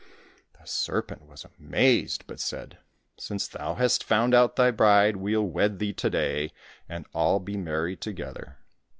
The serpent was amazed, but said, " Since thou hast found out thy bride, we'll wed thee to day, and all be merry together."